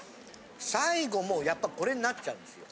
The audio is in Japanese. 最後もう、やっぱこれになっちゃうのよ。